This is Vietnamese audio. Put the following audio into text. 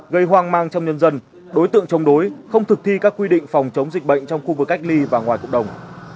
gây hoang mang trong nhân dân đối tượng chống đối không thực thi các quy định phòng chống dịch bệnh trong khu vực cách ly và ngoài cộng đồng